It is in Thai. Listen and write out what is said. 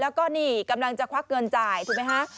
แล้วก็นี่กำลังจะควักเงินจ่ายถูกไหมคะ